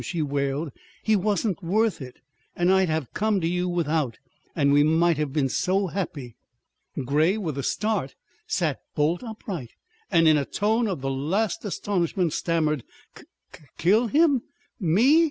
she wailed. "He he wasn't worth it. And I'd have come to you without. And we might have been so happy!" Grey, with a start, sat bolt upright, and in a tone of the last astonishment stammered: "K K Kill him? Me?